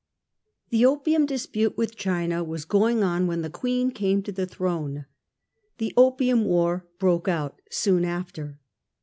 The Opium dispute with China was going on when the Queen came to the throne. The Opium War broke out soon after.